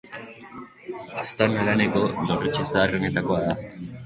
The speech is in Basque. Baztan haraneko dorretxe zaharrenetakoa da.